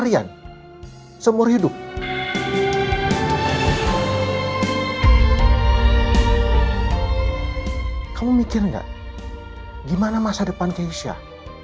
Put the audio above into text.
gimana dia sekolah